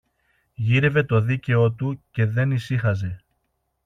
Γύρευε το δίκαιο του και δεν ησύχαζε!